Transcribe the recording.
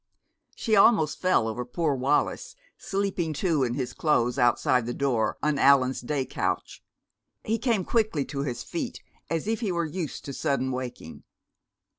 She almost fell over poor Wallis, sleeping too in his clothes outside the door, on Allan's day couch. He came quickly to his feet, as if he were used to sudden waking.